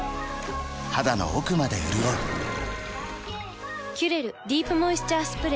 肌の奥まで潤う「キュレルディープモイスチャースプレー」